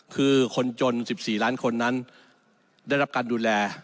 คือคนจน๑๔ล้านคนนั้นได้รับการดูแล